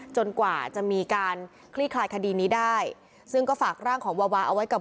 กว่าจะมีการคลี่คลายคดีนี้ได้ซึ่งก็ฝากร่างของวาวาเอาไว้กับ